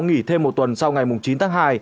nghỉ thêm một tuần sau ngày chín tháng hai